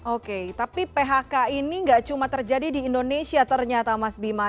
oke tapi phk ini nggak cuma terjadi di indonesia ternyata mas bima